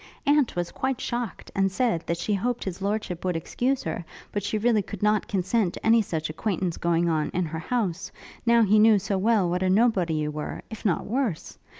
Aunt was quite shocked, and said, that she hoped his lordship would excuse her, but she really could not consent to any such acquaintance going on, in her house, now he knew so well what a nobody you were; if not worse.